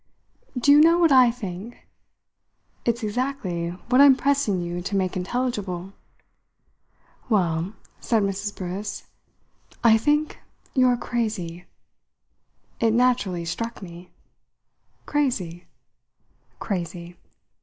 "Do you know what I think?" "It's exactly what I'm pressing you to make intelligible." "Well," said Mrs. Briss, "I think you're crazy." It naturally struck me. "Crazy?" "Crazy."